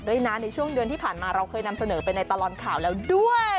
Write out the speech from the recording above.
ด้วยนะในช่วงเดือนที่ผ่านมาเราเคยนำเสนอไปในตลอดข่าวแล้วด้วย